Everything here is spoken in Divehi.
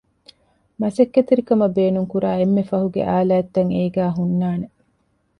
މަސައްކަތްތެރިކަމަށް ބޭނުންކުރާ އެންމެ ފަހުގެ އާލާތްތައް އެގޭގައި ހުންނާނެ